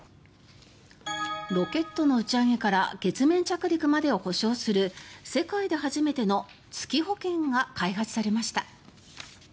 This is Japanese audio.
ロケットの打ち上げから月面着陸までを補償する世界で初めての月保険が開発されました。